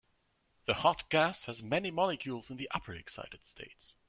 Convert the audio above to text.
The hot gas has many molecules in the upper excited states.